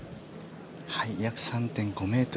約３．５ｍ。